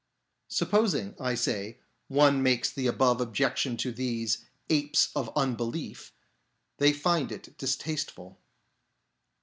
Sup posing, I say, one makes the above objection to these " apes of unbelief," they find it distasteful.